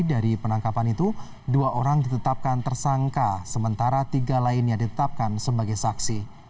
dari penangkapan itu dua orang ditetapkan tersangka sementara tiga lainnya ditetapkan sebagai saksi